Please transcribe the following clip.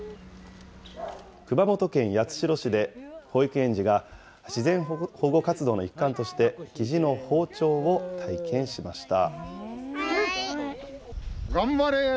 熊本県八代市で、保育園児が、自然保護活動の一環として、キジの放鳥を体験しました。